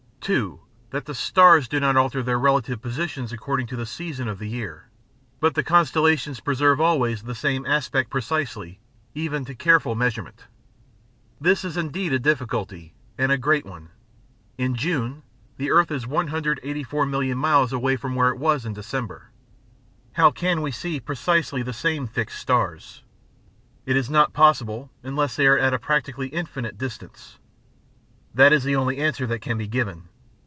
2. That the stars do not alter their relative positions according to the season of the year, but the constellations preserve always the same aspect precisely, even to careful measurement. This is indeed a difficulty, and a great one. In June the earth is 184 million miles away from where it was in December: how can we see precisely the same fixed stars? It is not possible, unless they are at a practically infinite distance. That is the only answer that can be given.